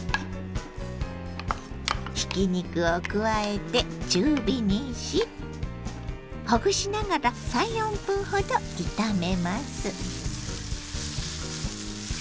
ひき肉を加えて中火にしほぐしながら３４分ほど炒めます。